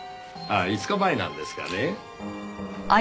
ああ５日前なんですがね。